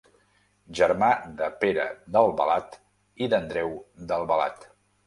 Germà de Pere d'Albalat i d'Andreu d'Albalat.